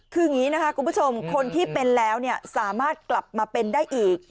คืออย่างนี้นะคะคุณผู้ชมคนที่เป็นแล้วสามารถกลับมาเป็นได้อีก